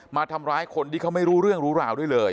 มาทำร้ายคนที่เขาไม่รู้เรื่องรู้ราวด้วยเลย